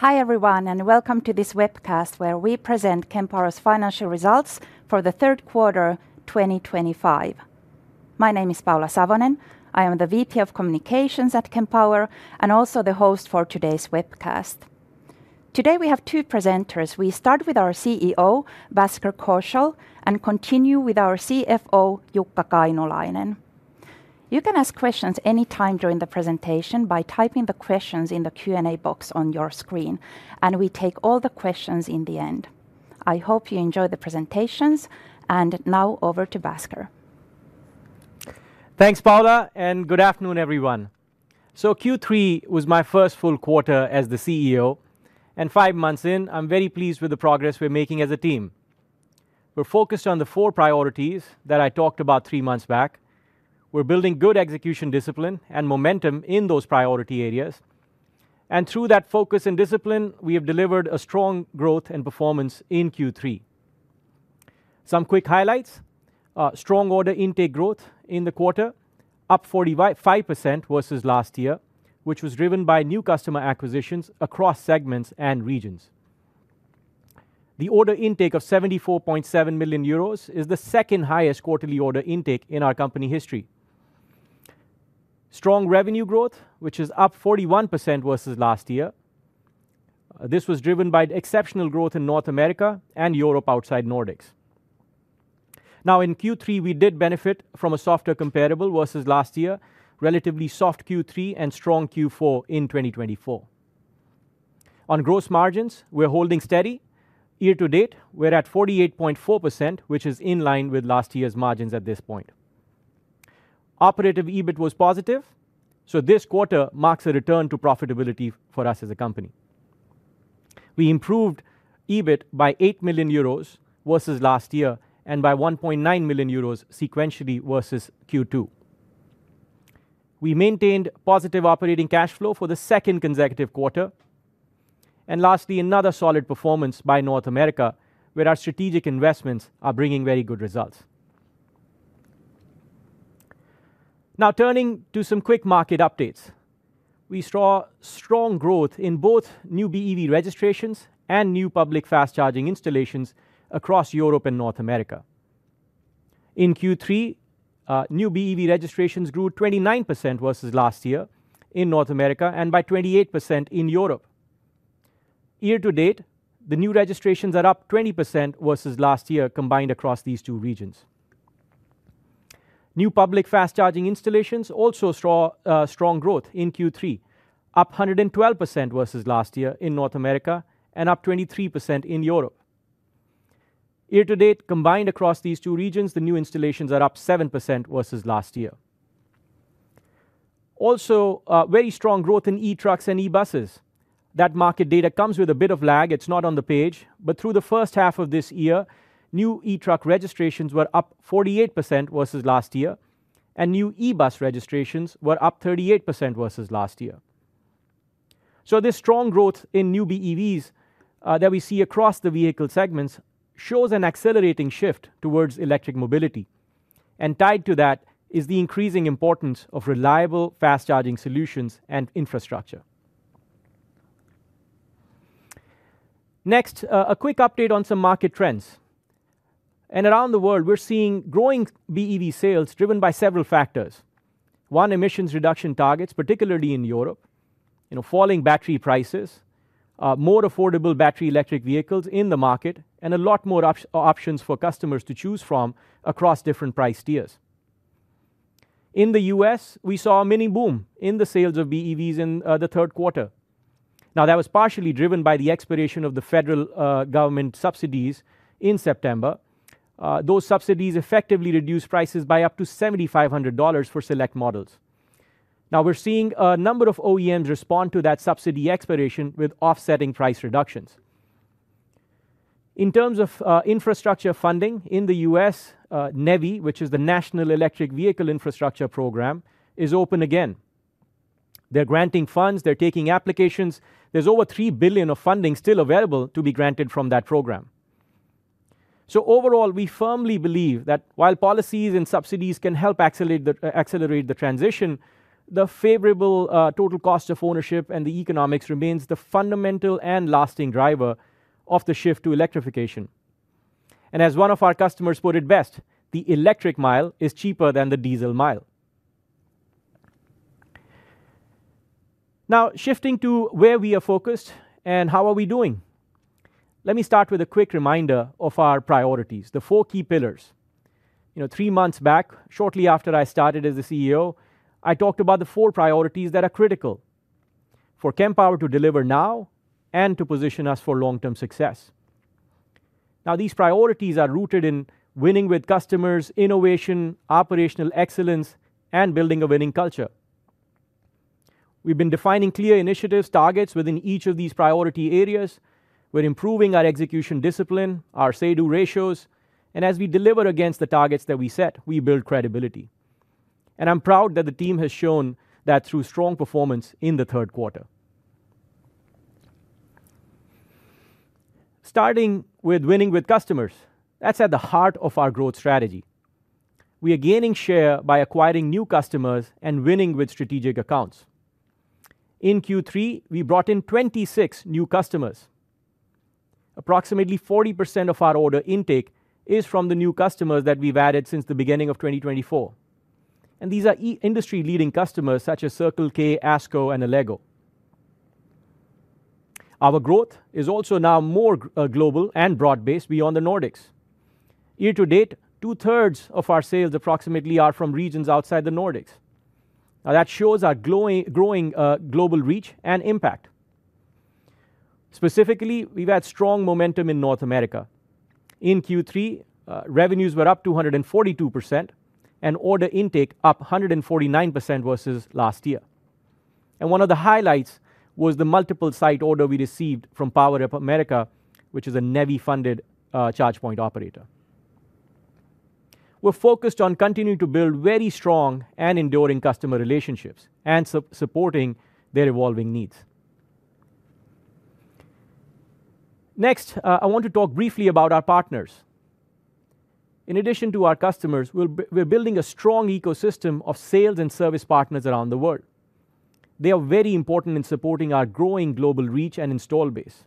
Hi everyone, and welcome to this webcast where we present Kempower's financial results for the third quarter 2025. My name is Paula Savonen. I am the VP of Communications at Kempower and also the host for today's webcast. Today we have two presenters. We start with our CEO, Bhasker Kaushal, and continue with our CFO, Jukka Kainulainen. You can ask questions anytime during the presentation by typing the questions in the Q&A box on your screen, and we take all the questions in the end. I hope you enjoy the presentations, and now over to Bhasker. Thanks, Paula, and good afternoon, everyone. Q3 was my first full quarter as the CEO, and five months in, I'm very pleased with the progress we're making as a team. We're focused on the four priorities that I talked about three months back. We're building good execution discipline and momentum in those priority areas, and through that focus and discipline, we have delivered strong growth in performance in Q3. Some quick highlights: strong order intake growth in the quarter, up 45% versus last year, which was driven by new customer acquisitions across segments and regions. The order intake of 74.7 million euros is the second highest quarterly order intake in our company history. Strong revenue growth, which is up 41% versus last year. This was driven by exceptional growth in North America and Europe outside Nordics. In Q3, we did benefit from a softer comparable versus last year, relatively soft Q3 and strong Q4 in 2024. On gross margins, we're holding steady. Year to date, we're at 48.4%, which is in line with last year's margins at this point. Operative EBIT was positive, so this quarter marks a return to profitability for us as a company. We improved EBIT by 8 million euros versus last year and by 1.9 million euros sequentially versus Q2. We maintained positive operating cash flow for the second consecutive quarter, and lastly, another solid performance by North America, where our strategic investments are bringing very good results. Now, turning to some quick market updates, we saw strong growth in both new BEV registrations and new public fast-charging installations across Europe and North America. In Q3, new BEV registrations grew 29% versus last year in North America and by 28% in Europe. Year to date, the new registrations are up 20% versus last year combined across these two regions. New public fast-charging installations also saw strong growth in Q3, up 112% versus last year in North America and up 23% in Europe. Year to date, combined across these two regions, the new installations are up 7% versus last year. Also, very strong growth in e-trucks and e-buses. That market data comes with a bit of lag; it's not on the page, but through the first half of this year, new e-truck registrations were up 48% versus last year, and new e-bus registrations were up 38% versus last year. This strong growth in new BEVs that we see across the vehicle segments shows an accelerating shift towards electric mobility, and tied to that is the increasing importance of reliable fast-charging solutions and infrastructure. Next, a quick update on some market trends. Around the world, we're seeing growing BEV sales driven by several factors: one, emissions reduction targets, particularly in Europe, falling battery prices, more affordable battery electric vehicles in the market, and a lot more options for customers to choose from across different price tiers. In the U.S., we saw a mini boom in the sales of BEVs in the third quarter. That was partially driven by the expiration of the federal government subsidies in September. Those subsidies effectively reduced prices by up to $7,500 for select models. Now, we're seeing a number of OEMs respond to that subsidy expiration with offsetting price reductions. In terms of infrastructure funding in the U.S., NEVI, which is the National Electric Vehicle Infrastructure Program, is open again. They're granting funds, they're taking applications. There's over $3 billion of funding still available to be granted from that program. Overall, we firmly believe that while policies and subsidies can help accelerate the transition, the favorable total cost of ownership and the economics remain the fundamental and lasting driver of the shift to electrification. As one of our customers put it best, the electric mile is cheaper than the diesel mile. Shifting to where we are focused and how we are doing, let me start with a quick reminder of our priorities, the four key pillars. Three months back, shortly after I started as the CEO, I talked about the four priorities that are critical for Kempower to deliver now and to position us for long-term success. These priorities are rooted in winning with customers, innovation, operational excellence, and building a winning culture. We've been defining clear initiatives and targets within each of these priority areas. We're improving our execution discipline, our say-to-do ratios, and as we deliver against the targets that we set, we build credibility. I'm proud that the team has shown that through strong performance in the third quarter. Starting with winning with customers, that's at the heart of our growth strategy. We are gaining share by acquiring new customers and winning with strategic accounts. In Q3, we brought in 26 new customers. Approximately 40% of our order intake is from the new customers that we've added since the beginning of 2024. These are industry-leading customers such as Circle K, ASKO, and Allego. Our growth is also now more global and broad-based beyond the Nordics. Year to date, 2/3 of our sales approximately are from regions outside the Nordics. That shows our growing global reach and impact. Specifically, we've had strong momentum in North America. In Q3, revenues were up 242% and order intake up 149% versus last year. One of the highlights was the multiple site order we received from PowerAmerica, which is a NEVI-funded charge point operator. We're focused on continuing to build very strong and enduring customer relationships and supporting their evolving needs. Next, I want to talk briefly about our partners. In addition to our customers, we're building a strong ecosystem of sales and service partners around the world. They are very important in supporting our growing global reach and install base.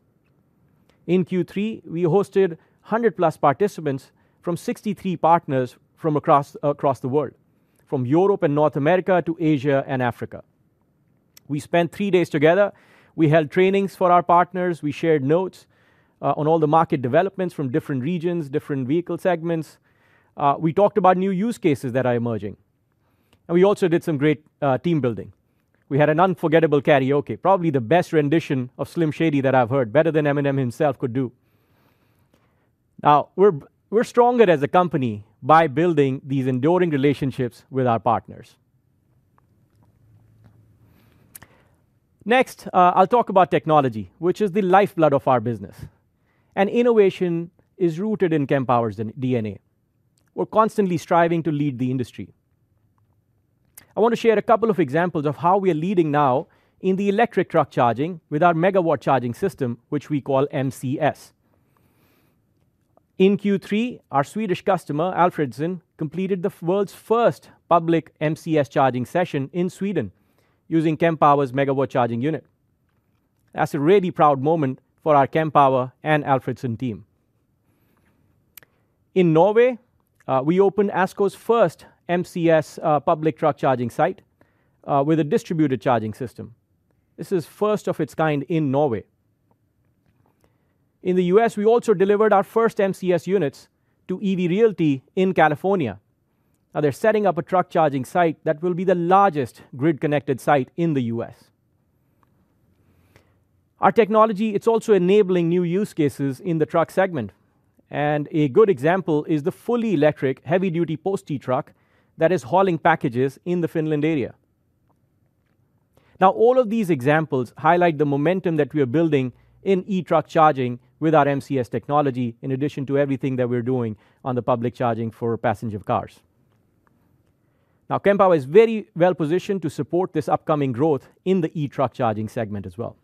In Q3, we hosted 100+ participants from 63 partners from across the world, from Europe and North America to Asia and Africa. We spent three days together. We held trainings for our partners. We shared notes on all the market developments from different regions, different vehicle segments. We talked about new use cases that are emerging. We also did some great team building. We had an unforgettable karaoke, probably the best rendition of Slim Shady that I've heard, better than Eminem himself could do. We're stronger as a company by building these enduring relationships with our partners. Next, I'll talk about technology, which is the lifeblood of our business. Innovation is rooted in Kempower's DNA. We're constantly striving to lead the industry. I want to share a couple of examples of how we are leading now in the electric truck charging with our Megawatt Charging System, which we call MCS. In Q3, our Swedish customer, Alfredsson, completed the world's first public MCS charging session in Sweden using Kempower's megawatt charging unit. That's a really proud moment for our Kempower and Alfredsson team. In Norway, we opened ASKO's first MCS public truck charging site with a distributed charging system. This is first of its kind in Norway. In the U.S., we also delivered our first MCS units to EV Realty in California. They're setting up a truck charging site that will be the largest grid-connected site in the U.S. Our technology, it's also enabling new use cases in the truck segment. A good example is the fully electric heavy-duty post truck that is hauling packages in the Finland area. All of these examples highlight the momentum that we are building in e-truck charging with our MCS technology, in addition to everything that we're doing on the public charging for passenger cars. Kempower is very well-positioned to support this upcoming growth in the e-truck charging segment as well.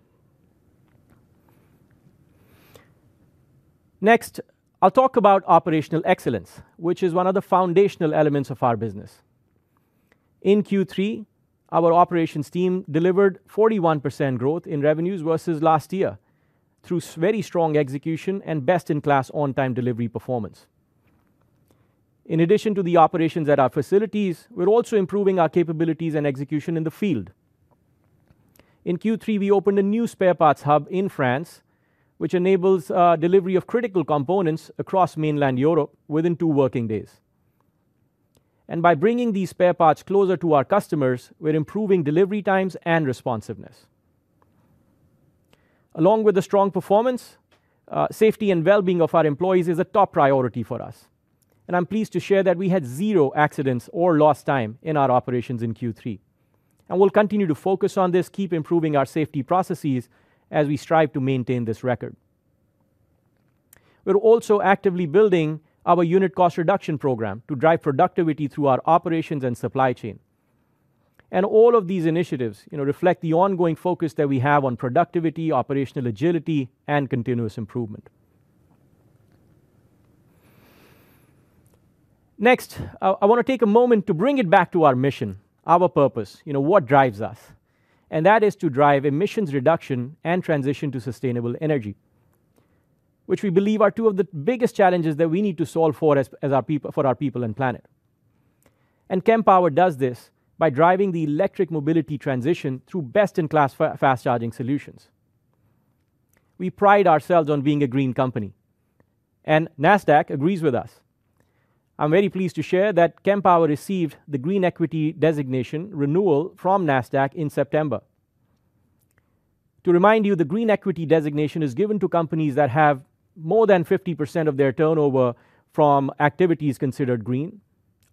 Next, I'll talk about operational excellence, which is one of the foundational elements of our business. In Q3, our operations team delivered 41% growth in revenues versus last year through very strong execution and best-in-class on-time delivery performance. In addition to the operations at our facilities, we're also improving our capabilities and execution in the field. In Q3, we opened a new spare parts hub in France, which enables delivery of critical components across mainland Europe within two working days. By bringing these spare parts closer to our customers, we're improving delivery times and responsiveness. Along with the strong performance, safety and well-being of our employees is a top priority for us. I'm pleased to share that we had zero accidents or lost time in our operations in Q3. We'll continue to focus on this, keep improving our safety processes as we strive to maintain this record. We're also actively building our unit cost reduction program to drive productivity through our operations and supply chain. All of these initiatives reflect the ongoing focus that we have on productivity, operational agility, and continuous improvement. Next, I want to take a moment to bring it back to our mission, our purpose, what drives us. That is to drive emissions reduction and transition to sustainable energy, which we believe are two of the biggest challenges that we need to solve for our people and planet. Kempower does this by driving the electric mobility transition through best-in-class fast-charging solutions. We pride ourselves on being a green company, and Nasdaq agrees with us. I'm very pleased to share that Kempower received the Green Equity Designation Renewal from Nasdaq in September. To remind you, the Green Equity Designation is given to companies that have more than 50% of their turnover from activities considered green.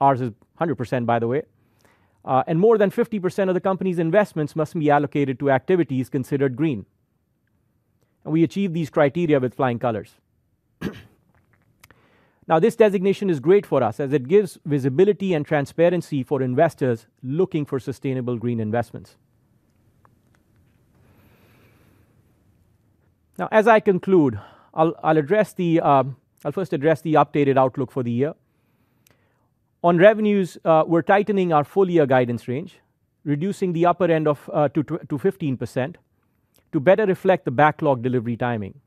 Ours is 100%, by the way. More than 50% of the company's investments must be allocated to activities considered green. We achieve these criteria with flying colors. This designation is great for us as it gives visibility and transparency for investors looking for sustainable green investments. As I conclude, I'll first address the updated outlook for the year. On revenues, we're tightening our full-year guidance range, reducing the upper end to 15% to better reflect the backlog delivery timing.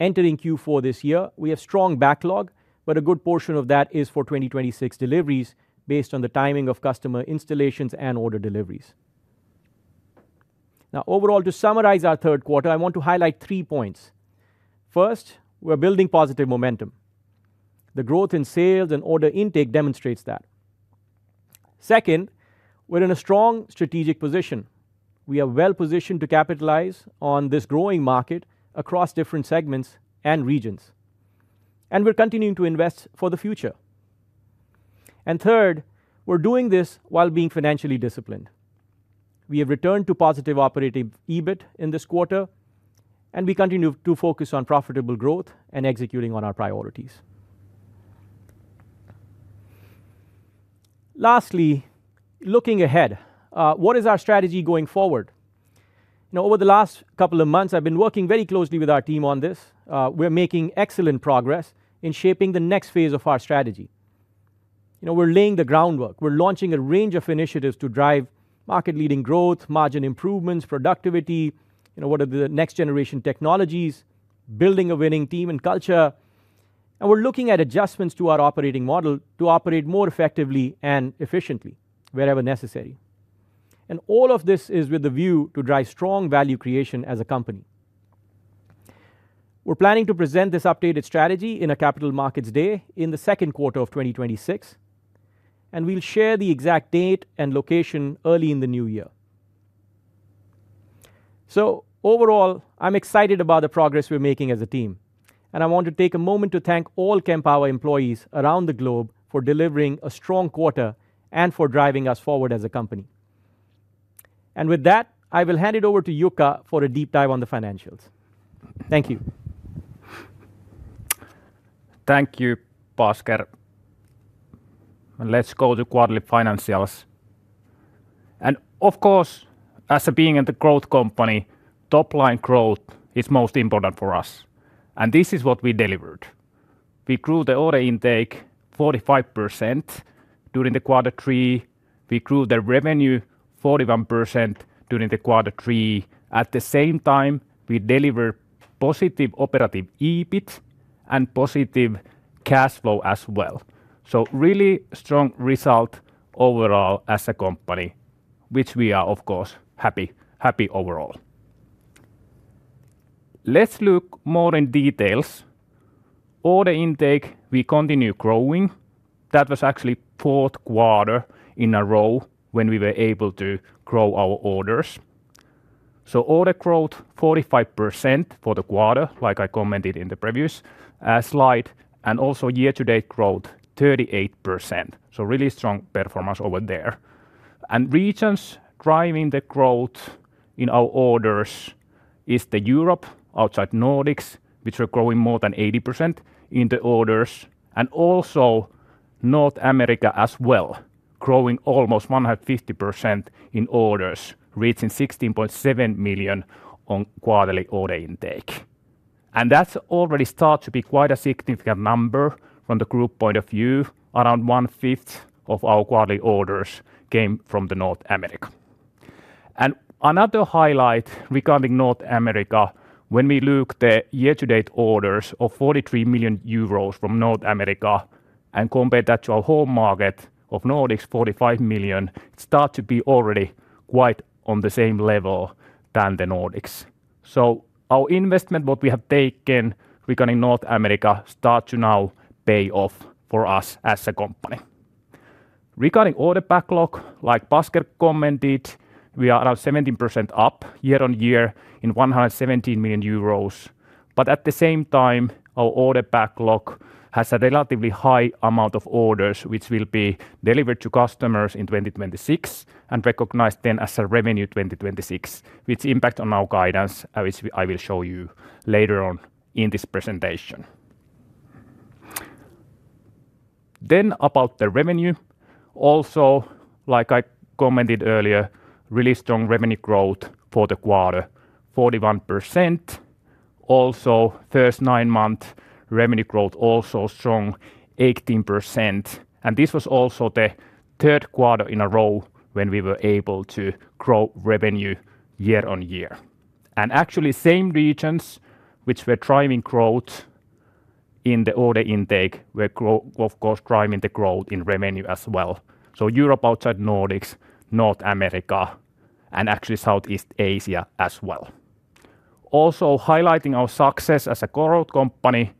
Entering Q4 this year, we have a strong backlog, but a good portion of that is for 2026 deliveries based on the timing of customer installations and order deliveries. Overall, to summarize our third quarter, I want to highlight three points. First, we're building positive momentum. The growth in sales and order intake demonstrates that. Second, we're in a strong strategic position. We are well-positioned to capitalize on this growing market across different segments and regions. We're continuing to invest for the future. Third, we're doing this while being financially disciplined. We have returned to positive operating EBIT in this quarter, and we continue to focus on profitable growth and executing on our priorities. Looking ahead, what is our strategy going forward? Over the last couple of months, I've been working very closely with our team on this. We're making excellent progress in shaping the next phase of our strategy. We're laying the groundwork. We're launching a range of initiatives to drive market-leading growth, margin improvements, productivity, next-generation technologies, building a winning team and culture. We're looking at adjustments to our operating model to operate more effectively and efficiently wherever necessary. All of this is with the view to drive strong value creation as a company. We're planning to present this updated strategy in a Capital Markets Day in the second quarter of 2026. We'll share the exact date and location early in the new year. Overall, I'm excited about the progress we're making as a team. I want to take a moment to thank all Kempower employees around the globe for delivering a strong quarter and for driving us forward as a company. With that, I will hand it over to Jukka for a deep dive on the financials. Thank you. Thank you, Bhasker. Let's go to quarterly financials. Of course, as being in the growth company, top-line growth is most important for us. This is what we delivered. We grew the order intake 45% during the quarter three. We grew the revenue 41% during the quarter three. At the same time, we delivered positive operating EBIT and positive cash flow as well. Really strong result overall as a company, which we are, of course, happy overall. Let's look more in details. Order intake, we continue growing. That was actually the fourth quarter in a row when we were able to grow our orders. Order growth 45% for the quarter, like I commented in the previous slide. Also, year-to-date growth 38%. Really strong performance over there. Regions driving the growth in our orders are Europe, outside the Nordics, which are growing more than 80% in the orders. Also, North America as well, growing almost 150% in orders, reaching 16.7 million on quarterly order intake. That's already starting to be quite a significant number from the group point of view. Around 1/5 of our quarterly orders came from North America. Another highlight regarding North America, when we look at the year-to-date orders of 43 million euros from North America and compare that to our home market of Nordics, 45 million, it starts to be already quite on the same level than the Nordics. Our investment, what we have taken regarding North America, starts to now pay off for us as a company. Regarding order backlog, like Bhasker commented, we are about 17% up year on year in 117 million euros. At the same time, our order backlog has a relatively high amount of orders which will be delivered to customers in 2026 and recognized then as a revenue 2026, which impacts on our guidance, which I will show you later on in this presentation. About the revenue, also, like I commented earlier, really strong revenue growth for the quarter, 41%. Also, the first nine months revenue growth also strong, 18%. This was also the third quarter in a row when we were able to grow revenue year on year. Actually, same regions which were driving growth in the order intake were, of course, driving the growth in revenue as well. Europe outside the Nordics, North America, and actually Southeast Asia as well. Also, highlighting our success as a growth company,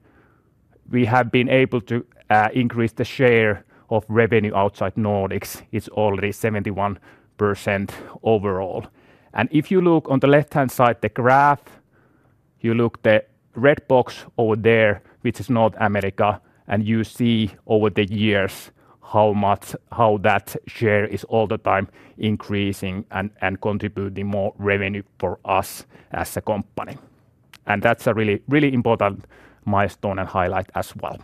we have been able to increase the share of revenue outside the Nordics. It's already 71% overall. If you look on the left-hand side of the graph, you look at the red box over there, which is North America, and you see over the years how much that share is all the time increasing and contributing more revenue for us as a company. That's a really, really important milestone and highlight as well.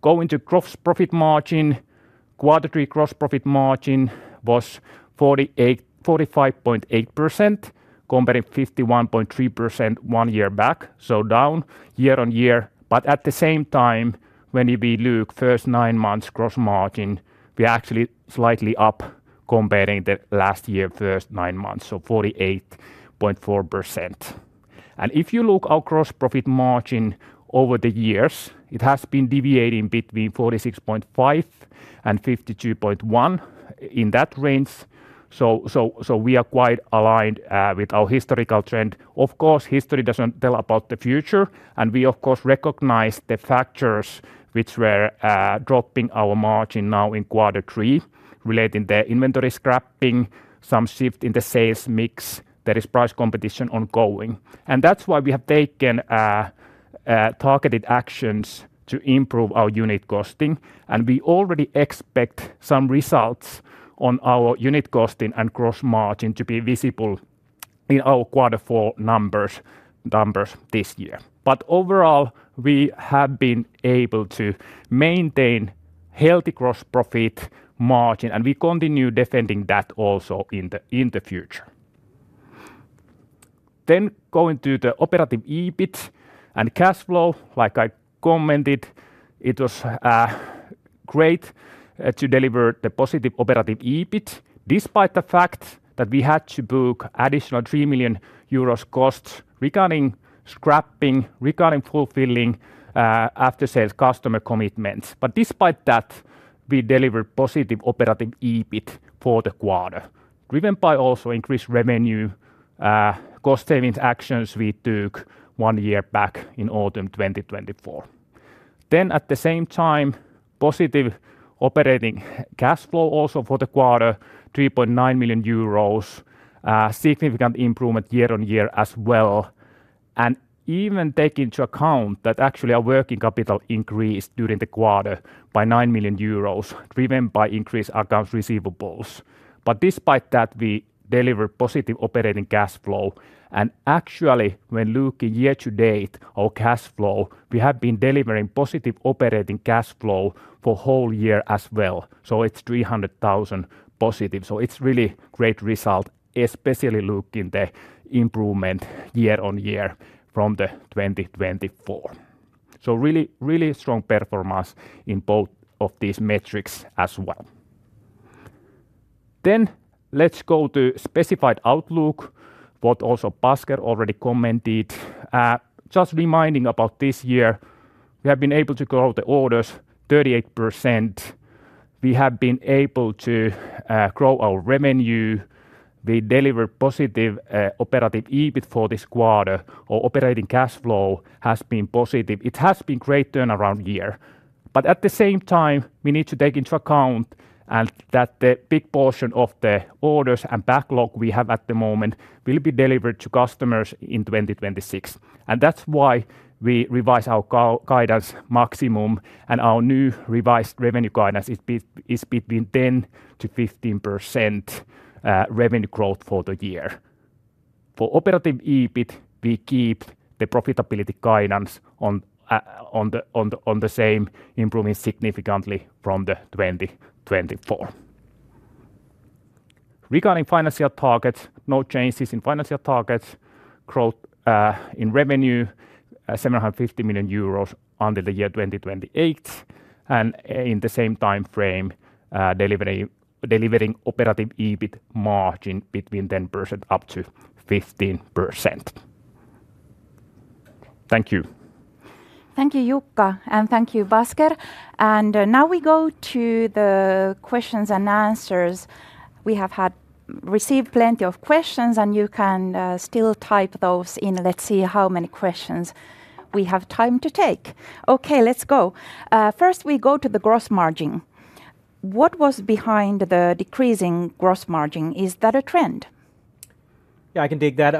Going to gross profit margin, quarterly gross profit margin was 45.8% compared to 51.3% one year back, so down year on year. At the same time, when we look at the first nine months gross margin, we're actually slightly up compared to last year's first nine months, so 48.4%. If you look at our gross profit margin over the years, it has been deviating between 46.5% and 52.1% in that range. We are quite aligned with our historical trend. Of course, history doesn't tell about the future, and we, of course, recognize the factors which were dropping our margin now in quarter three, relating to inventory scrapping, some shift in the sales mix, there is price competition ongoing. That's why we have taken targeted actions to improve our unit costing. We already expect some results on our unit costing and gross margin to be visible in our quarter four numbers this year. Overall, we have been able to maintain a healthy gross profit margin, and we continue defending that also in the future. Going to the operating EBIT and cash flow, like I commented, it was great to deliver the positive operating EBIT despite the fact that we had to book additional 3 million euros costs regarding scrapping, regarding fulfilling after-sales customer commitments. Despite that, we delivered positive operating EBIT for the quarter, driven by also increased revenue cost-saving actions we took one year back in autumn 2024. At the same time, positive operating cash flow also for the quarter, 3.9 million euros, significant improvement year on year as well. Even taking into account that actually our working capital increased during the quarter by 9 million euros, driven by increased accounts receivables. Despite that, we delivered positive operating cash flow. Actually, when looking year to date at our cash flow, we have been delivering positive operating cash flow for the whole year as well. It's 300,000 positive. It's really a great result, especially looking at the improvement year on year from 2024. Really, really strong performance in both of these metrics as well. Let's go to specified outlook, which also Bhasker already commented. Just reminding about this year, we have been able to grow the orders 38%. We have been able to grow our revenue. We delivered positive operating EBIT for this quarter. Our operating cash flow has been positive. It has been a great turnaround year. At the same time, we need to take into account that the big portion of the orders and backlog we have at the moment will be delivered to customers in 2026. That's why we revise our guidance maximum, and our new revised revenue guidance is between 10%-15% revenue growth for the year. For operating EBIT, we keep the profitability guidance on the same improvement significantly from 2024. Regarding financial targets, no changes in financial targets. Growth in revenue, 750 million euros until the year 2028. In the same time frame, delivering operating EBIT margin between 10% up to 15%. Thank you. Thank you, Jukka, and thank you, Bhasker. Now we go to the questions and answers. We have received plenty of questions, and you can still type those in. Let's see how many questions we have time to take. Okay, let's go. First, we go to the gross margin. What was behind the decreasing gross margin? Is that a trend? Yeah, I can take that.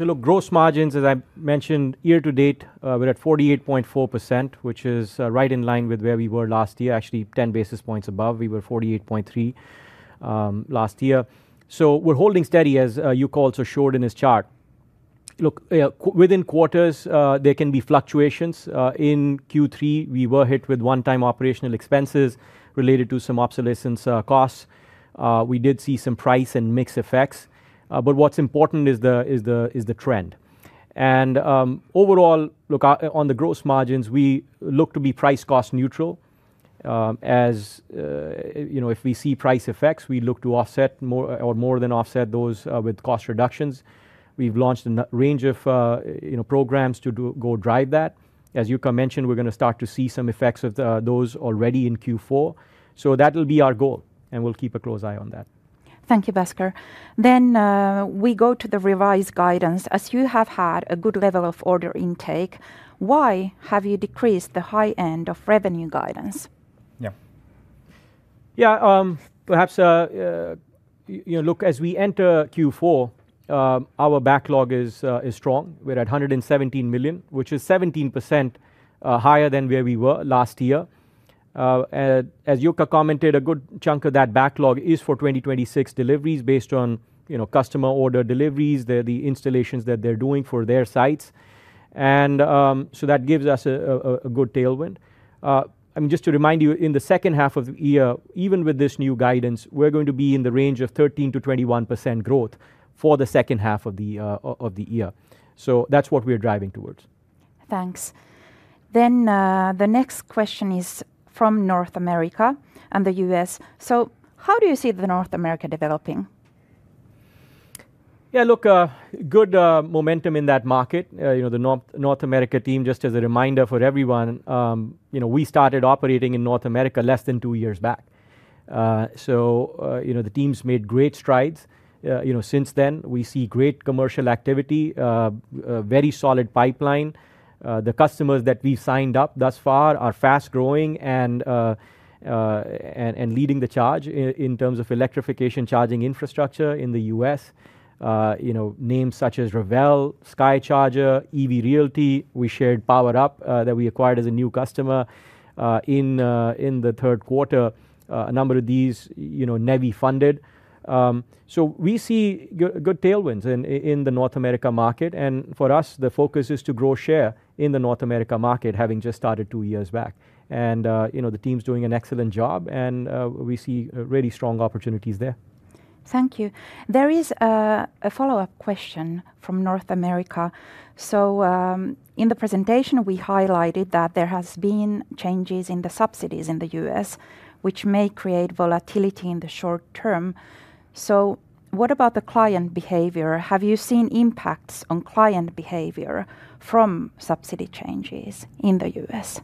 Look, gross margins, as I mentioned, year to date, we're at 48.4%, which is right in line with where we were last year, actually 10 basis points above. We were at 48.3% last year. We're holding steady, as Jukka also showed in his chart. Within quarters, there can be fluctuations. In Q3, we were hit with one-time operational expenses related to some obsolescence costs. We did see some price and mix effects. What's important is the trend. Overall, on the gross margins, we look to be price-cost neutral. If we see price effects, we look to offset or more than offset those with cost reductions. We've launched a range of programs to drive that. As Jukka mentioned, we're going to start to see some effects of those already in Q4. That'll be our goal, and we'll keep a close eye on that. Thank you, Bhasker. We go to the revised guidance. As you have had a good level of order intake, why have you decreased the high end of revenue guidance? Yeah, perhaps look, as we enter Q4, our backlog is strong. We're at 117 million, which is 17% higher than where we were last year. As Jukka commented, a good chunk of that backlog is for 2026 deliveries based on customer order deliveries, the installations that they're doing for their sites. That gives us a good tailwind. I mean, just to remind you, in the second half of the year, even with this new guidance, we're going to be in the range of 13%-21% growth for the second half of the year. That's what we're driving towards. Thanks. The next question is from North America and the U.S. How do you see North America developing? Yeah, look, good momentum in that market. The North America team, just as a reminder for everyone, we started operating in North America less than two years back. The team's made great strides since then. We see great commercial activity, a very solid pipeline. The customers that we've signed up thus far are fast growing and leading the charge in terms of electrification charging infrastructure in the U.S. Names such as Revel, Skycharger, EV Realty, we shared PowerUp that we acquired as a new customer in the third quarter, a number of these NEVI-funded. We see good tailwinds in the North America market. For us, the focus is to grow share in the North America market, having just started two years back. The team's doing an excellent job, and we see really strong opportunities there. Thank you. There is a follow-up question from North America. In the presentation, we highlighted that there have been changes in the subsidies in the U.S., which may create volatility in the short-term. What about the client behavior? Have you seen impacts on client behavior from subsidy changes in the U.S.?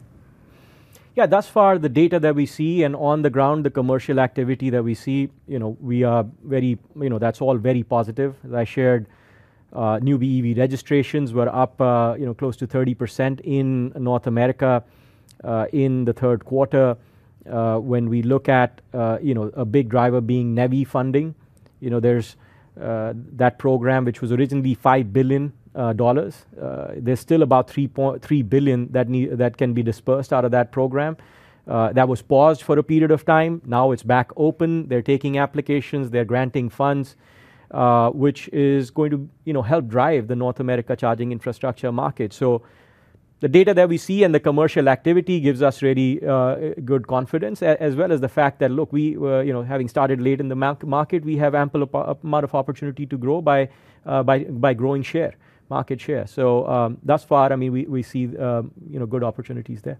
Yeah, thus far, the data that we see and on the ground, the commercial activity that we see, we are very, that's all very positive. As I shared, new BEV registrations were up close to 30% in North America in the third quarter. When we look at a big driver being NEVI funding, there's that program, which was originally $5 billion. There's still about $3 billion that can be dispersed out of that program. That was paused for a period of time. Now it's back open. They're taking applications, they're granting funds, which is going to help drive the North America charging infrastructure market. The data that we see and the commercial activity gives us really good confidence, as well as the fact that, look, having started late in the market, we have an ample amount of opportunity to grow by growing share, market share. Thus far, I mean, we see good opportunities there.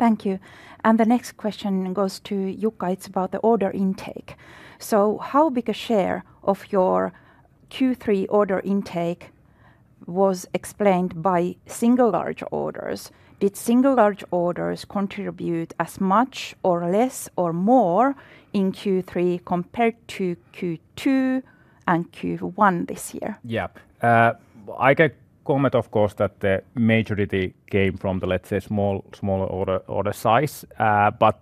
Thank you. The next question goes to Jukka. It's about the order intake. How big a share of your Q3 order intake was explained by single large orders? Did single large orders contribute as much, less, or more in Q3 compared to Q2 and Q1 this year? Yeah, I can comment, of course, that the majority came from the, let's say, smaller order size.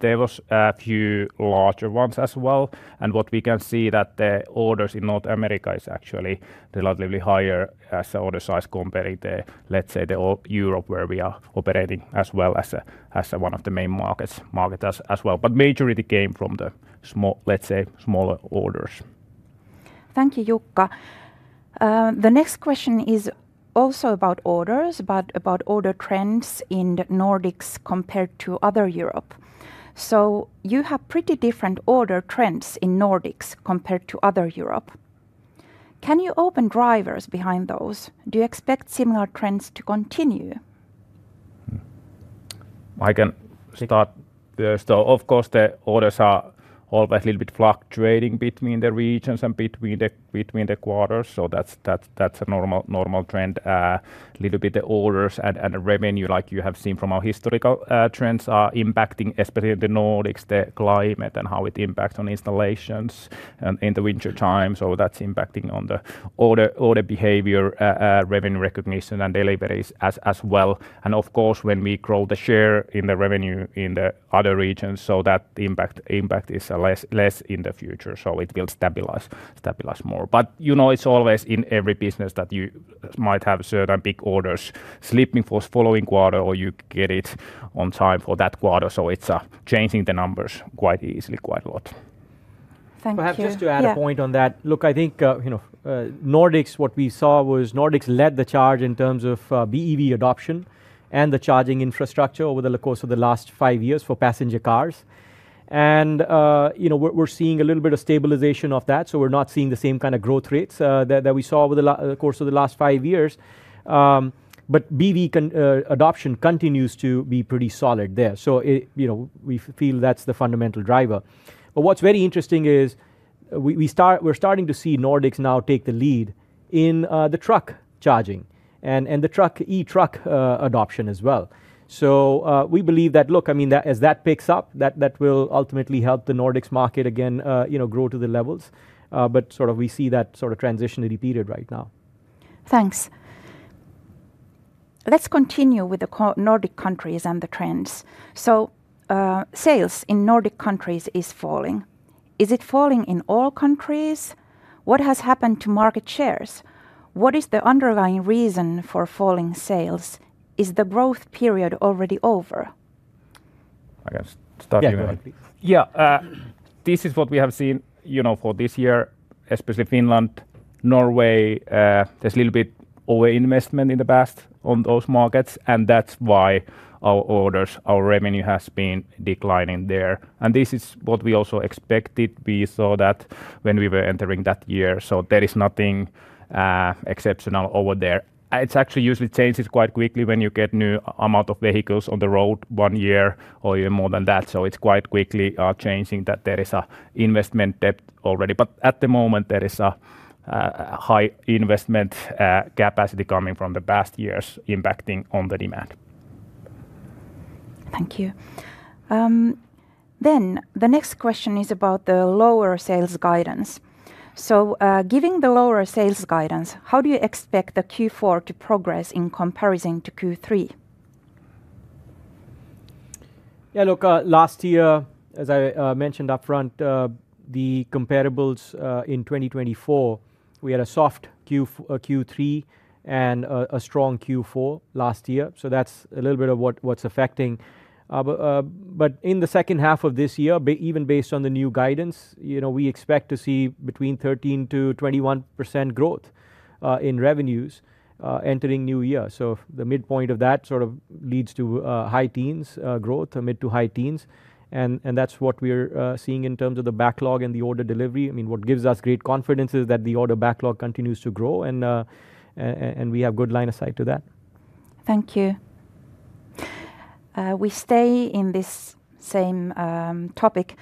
There were a few larger ones as well. What we can see is that the orders in North America are actually relatively higher as the order size compared to, let's say, Europe where we are operating as well as one of the main markets as well. The majority came from the small, let's say, smaller orders. Thank you, Jukka. The next question is also about orders, but about order trends in the Nordics compared to other Europe. You have pretty different order trends in Nordics compared to other Europe. Can you open drivers behind those? Do you expect similar trends to continue? I can start first. Of course, the orders are always a little bit fluctuating between the regions and between the quarters. That's a normal trend. A little bit of orders and revenue, like you have seen from our historical trends, are impacting, especially in the Nordics, the climate and how it impacts on installations in the wintertime. That's impacting on the order behavior, revenue recognition, and deliveries as well. Of course, when we grow the share in the revenue in the other regions, that impact is less in the future. It will stabilize more. You know it's always in every business that you might have certain big orders slipping for the following quarter or you get it on time for that quarter. It's changing the numbers quite easily, quite a lot. Thank you. Perhaps just to add a point on that, look, I think Nordics, what we saw was Nordics led the charge in terms of BEV adoption and the charging infrastructure over the course of the last five years for passenger cars. We're seeing a little bit of stabilization of that. We're not seeing the same kind of growth rates that we saw over the course of the last five years. BEV adoption continues to be pretty solid there. We feel that's the fundamental driver. What's very interesting is we're starting to see Nordics now take the lead in the truck charging and the e-truck adoption as well. We believe that, look, I mean, as that picks up, that will ultimately help the Nordics market again grow to the levels. We see that sort of transitionary period right now. Thanks. Let's continue with the Nordic countries and the trends. Sales in Nordic countries are falling. Is it falling in all countries? What has happened to market shares? What is the underlying reason for falling sales? Is the growth period already over? I can start. Yeah, this is what we have seen for this year, especially Finland, Norway. There's a little bit of overinvestment in the past on those markets. That's why our orders, our revenue has been declining there. This is what we also expected. We saw that when we were entering that year. There is nothing exceptional over there. It actually usually changes quite quickly when you get a new amount of vehicles on the road one year or even more than that. It's quite quickly changing that there is an investment depth already. At the moment, there is a high investment capacity coming from the past years impacting on the demand. Thank you. The next question is about the lower sales guidance. Given the lower sales guidance, how do you expect the Q4 to progress in comparison to Q3? Yeah, look, last year, as I mentioned upfront, the comparables in 2024, we had a soft Q3 and a strong Q4 last year. That's a little bit of what's affecting. In the second half of this year, even based on the new guidance, we expect to see between 13%-21% growth in revenues entering the new year. The midpoint of that sort of leads to high teens growth, mid to high teens. That's what we're seeing in terms of the backlog and the order delivery. What gives us great confidence is that the order backlog continues to grow and we have a good line of sight to that. Thank you. We stay in this same topic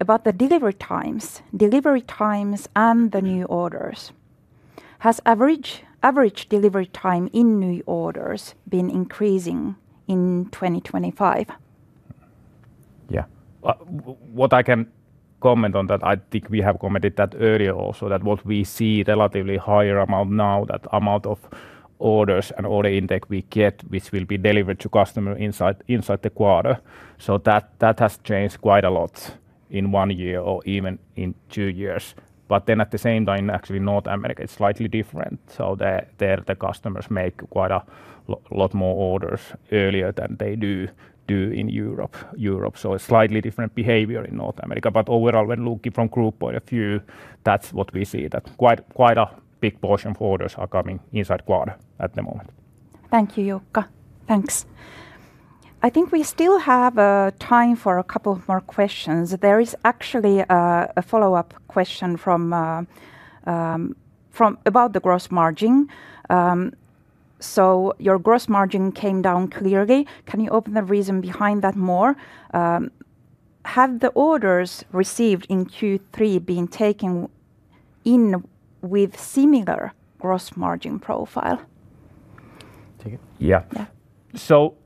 about the delivery times. Delivery times and the new orders. Has average delivery time in new orders been increasing in 2025? Yeah, what I can comment on that, I think we have commented that earlier also. What we see is a relatively higher amount now, that amount of orders and order intake we get, which will be delivered to customers inside the quarter. That has changed quite a lot in one year or even in two years. At the same time, actually in North America, it's slightly different. There the customers make quite a lot more orders earlier than they do in Europe. It's slightly different behavior in North America. Overall, when looking from a group point of view, that's what we see, that quite a big portion of orders are coming inside the quarter at the moment. Thank you, Jukka. Thanks. I think we still have time for a couple more questions. There is actually a follow-up question about the gross margin. Your gross margin came down clearly. Can you open the reason behind that more? Have the orders received in Q3 been taken in with similar gross margin profile?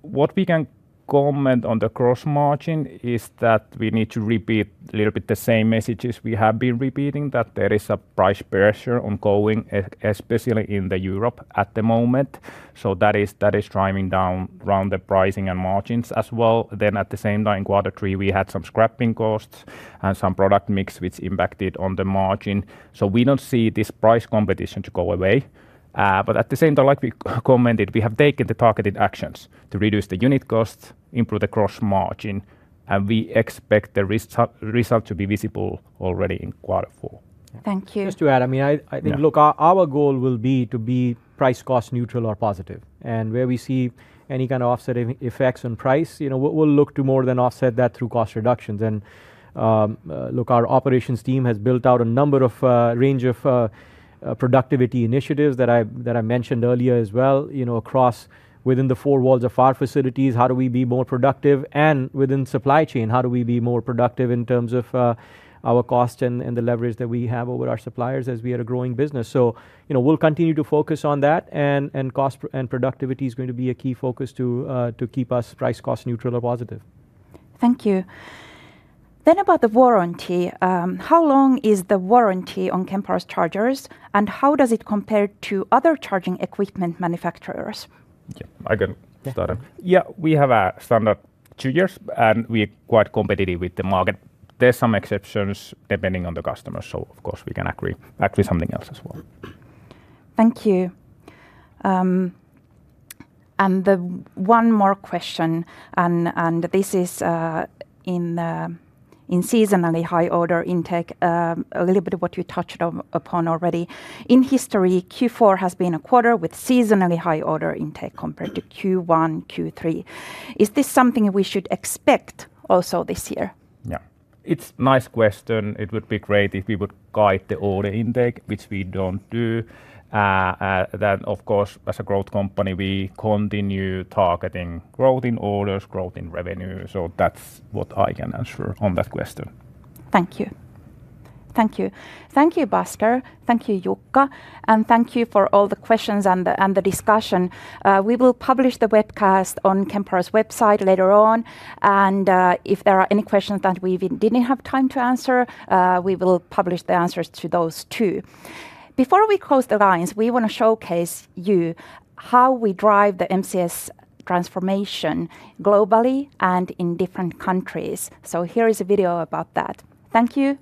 What we can comment on the gross margin is that we need to repeat a little bit the same messages we have been repeating, that there is a price pressure ongoing, especially in Europe at the moment. That is driving down the pricing and margins as well. At the same time, in quarter three, we had some scrapping costs and some product mix which impacted on the margin. We don't see this price competition to go away. At the same time, like we commented, we have taken the targeted actions to reduce the unit cost, improve the gross margin, and we expect the result to be visible already in quarter four. Thank you. Just to add, I think, look, our goal will be to be price-cost neutral or positive. Where we see any kind of offset effects on price, we'll look to more than offset that through cost reductions. Our operations team has built out a number of productivity initiatives that I mentioned earlier as well. Across, within the four walls of our facilities, how do we be more productive? Within supply chain, how do we be more productive in terms of our cost and the leverage that we have over our suppliers as we are a growing business? We'll continue to focus on that, and cost and productivity is going to be a key focus to keep us price-cost neutral or positive. Thank you. About the warranty, how long is the warranty on Kempower's chargers, and how does it compare to other charging equipment manufacturers? Yeah, I can start. We have a standard two years, and we are quite competitive with the market. There are some exceptions depending on the customer. Of course, we can actually do something else as well. Thank you. One more question, and this is in seasonally high order intake, a little bit of what you touched upon already. In history, Q4 has been a quarter with seasonally high order intake compared to Q1 and Q3. Is this something we should expect also this year? Yeah, it's a nice question. It would be great if we would guide the order intake, which we don't do. Of course, as a growth company, we continue targeting growth in orders, growth in revenue. That's what I can answer on that question. Thank you. Thank you. Thank you, Bhasker. Thank you, Jukka. Thank you for all the questions and the discussion. We will publish the webcast on Kempower's website later on. If there are any questions that we didn't have time to answer, we will publish the answers to those too. Before we close the lines, we want to showcase you how we drive the MCS transformation globally and in different countries. Here is a video about that. Thank you.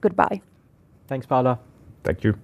Goodbye. Thanks, Paula. Thank you.